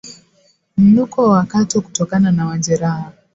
Mnuko wa kwato kutokana na majeraha